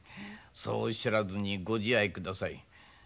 そうおっしゃらずにご自愛ください。